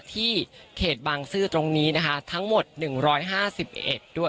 ที่เขตบางซื่อตรงนี้นะคะทั้งหมดหนึ่งร้อยห้าสิบเอ็ดด้วย